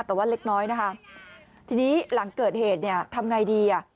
แต่ว่าเล็กน้อยนะคะทีนี้หลังเกิดเหตุเนี่ยทำไงดีอ่ะ